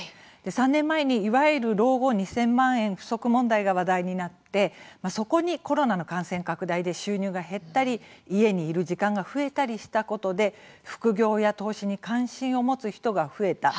３年前にいわゆる老後２０００万円不足問題が話題になって、そこにコロナの感染拡大で収入が減ったり家にいる時間が増えたりしたことで副業や投資に関心を持つ人が増えた。